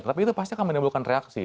tapi itu pasti akan menimbulkan reaksi